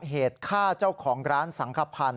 เหตุฆ่าเจ้าของร้านสังขพันธ์